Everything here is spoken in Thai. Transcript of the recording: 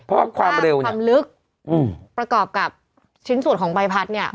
เพราะว่าความเร็วความลึกอืมประกอบกับชิ้นส่วนของใบพัดเนี่ย